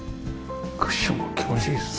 クッションが気持ちいいですね。